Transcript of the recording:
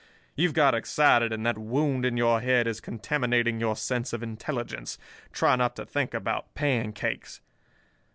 You've got excited, and that wound in your head is contaminating your sense of intelligence. Try not to think about pancakes.